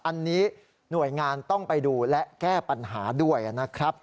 อันนี้หน่วยงานต้องไปดูและแก้ปัญหาด้วยนะครับ